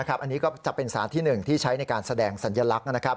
อันนี้ก็จะเป็นสารที่๑ที่ใช้ในการแสดงสัญลักษณ์